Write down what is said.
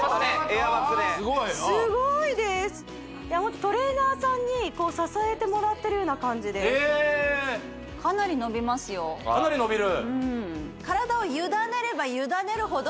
エアバッグですごいですトレーナーさんに支えてもらってるような感じでかなり伸びるうん